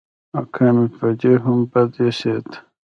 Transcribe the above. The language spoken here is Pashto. اکا مې په دې هم بد اېسېد.